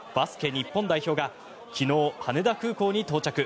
日本代表が昨日、羽田空港に到着。